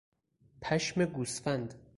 پشم گوسفند